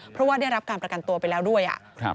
เพราะว่าได้รับการประกันตัวไปแล้วด้วย